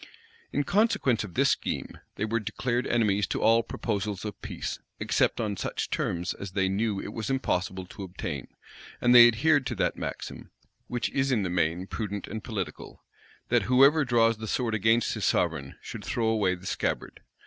In consequence of this scheme, they were declared enemies to all proposals of peace, except on such terms as they knew it was impossible to obtain; and they adhered to that maxim, which is in the main prudent and political, that whoever draws the sword against his sovereign, should throw away the scabbard.